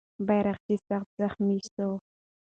بیرغچی سخت زخمي سو.